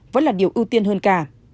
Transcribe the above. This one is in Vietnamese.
vẫn là điều ưu tiên hơn cả